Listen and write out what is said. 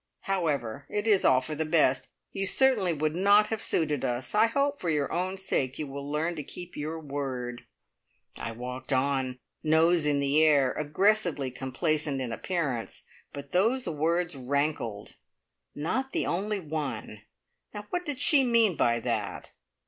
"However, it is all for the best. You certainly would not have suited us. I hope for your own sake you will learn to keep your word." I walked on, nose in the air, aggressively complacent in appearance, but those words rankled! "Not the only one!" Now what did she mean by that?